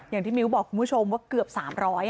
อย่างที่มิ้วบอกคุณผู้ชมว่าเกือบ๓๐๐อ่ะ